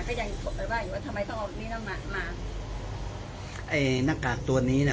ก็ยังไปว่าอยู่ว่าทำไมต้องเอานี่น้ำมันมาไอ้หน้ากากตัวนี้น่ะ